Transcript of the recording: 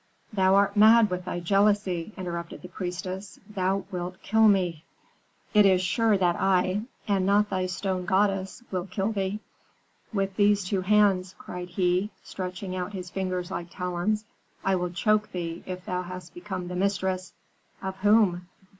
"Thou art mad with thy jealousy," interrupted the priestess; "thou wilt kill me." "It is sure that I, and not thy stone goddess, will kill thee. With these two hands," cried he, stretching out his fingers, like talons, "I will choke thee if thou hast become the mistress " "Of whom?"